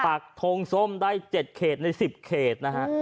ปากทงส้มได้๗เขตใน๑๐เขตนะฮะ